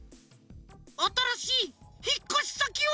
あたらしいひっこしさきは？